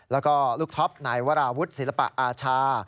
แล้วก็ลูกท็อปนายวราวุฒิศิลปะอาชา